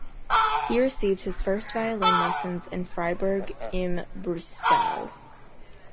He received his first violin lessons in Freiburg im Breisgau.